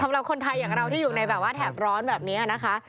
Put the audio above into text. สำหรับคนไทยอย่างเราที่อยู่ในแบบว่าแถบร้อนแบบนี้นะคะ